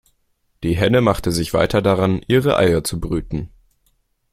Die Henne machte sich weiter daran, ihre Eier zu brüten.